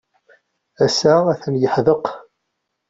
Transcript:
Ass-a, atan yeḥdeq.